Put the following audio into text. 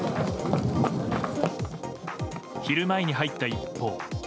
昼前に入った一報。